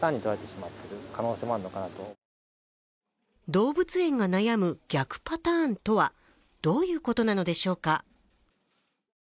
動物園が悩む逆パターンとは、どういうことなのでしょうか？